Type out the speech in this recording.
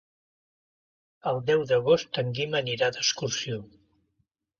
El deu d'agost en Guim anirà d'excursió.